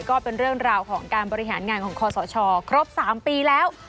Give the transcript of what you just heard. ก็เป็นเรื่องราวของการบริหารงานของคอสชครบ๓ปีแล้ว